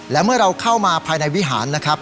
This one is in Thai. และเมื่อเราเข้ามาภายในวิหารนะครับ